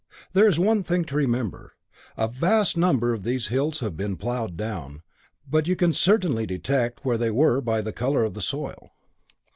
"There is one thing to remember. A vast number of these hills have been ploughed down, but you can certainly detect where they were by the colour of the soil."